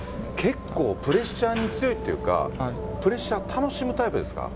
結構プレッシャーに強いというか、プレッシャー楽しむタイプですか？